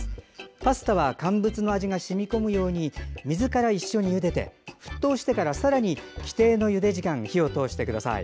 パスタは乾物の味がしみ込むように水から一緒にゆでて沸騰してからさらに既定のゆで時間火を通してください。